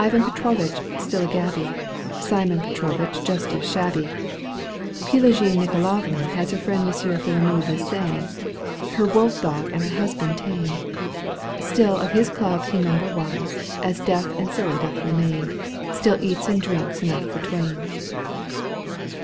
an Petr6vitch still a gaby, Simeon Petrovitch just as shabby ; Pelagic Nikolavna has Her firiend Monsieur Finemouche the same, Her wolf dog and her husband tame ; StiH of his club he member was — As deaf and silly doth remain, StiU eats and drinks enough for twain.